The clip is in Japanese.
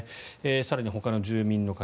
更にほかの住民の方。